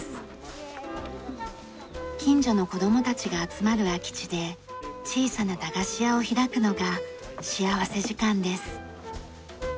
近所の子供たちが集まる空き地で小さな駄菓子屋を開くのが幸福時間です。